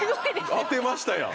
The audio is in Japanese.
当てましたやん。